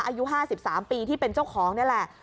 อายุ๕๓ปีที่เป็นเจ้าของนี่แหละ